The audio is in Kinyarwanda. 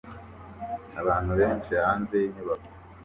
abantu benshi hanze yinyubako